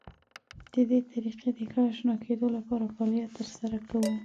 د دې طریقې د ښه اشنا کېدو لپاره فعالیت تر سره کوو.